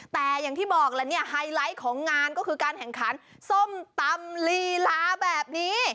แต่อย่างที่บอกแล้วเนี่ยไฮไลท์ของงานก็คือการแข่งขันส้มตำลีลาแบบนี้